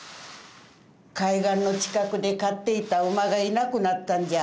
海岸の近くで飼っていた馬がいなくなったんじゃ。